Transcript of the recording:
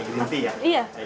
kayak green tea ya